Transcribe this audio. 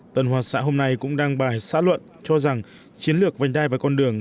tân hoa xã hôm nay cũng đăng bài xã luận cho rằng chiến lược vành đai và con đường